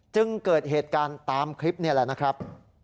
เกิดเหตุการณ์ตามคลิปนี่แหละนะครับ